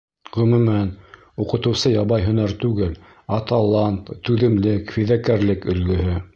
Ғөмүмән, уҡытыусы ябай һөнәр түгел, ә талант, түҙемлек, фиҙакәрлек өлгөһө.